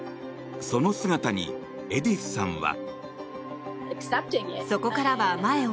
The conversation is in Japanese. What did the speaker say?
その姿に、エディスさんは。